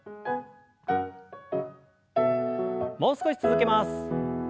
もう少し続けます。